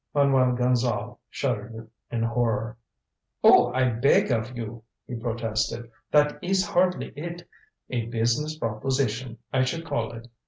Manuel Gonzale shuddered in horror. "Oh, I beg of you," he protested. "That is hardly it. A business proposition, I should call it.